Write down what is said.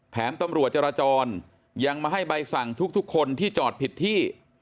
ตำรวจจราจรยังมาให้ใบสั่งทุกคนที่จอดผิดที่